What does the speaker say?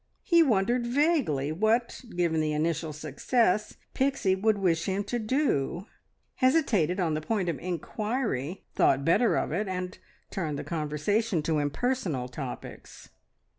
He wondered vaguely what, given the initial success, Pixie would wish him to do, hesitated on the point of inquiry, thought better of it and turned the conversation to impersonal topics.